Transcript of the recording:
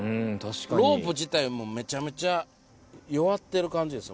ロープ自体めちゃめちゃ弱ってる感じです。